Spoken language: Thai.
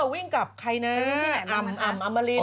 วิ่งกับอำมาริน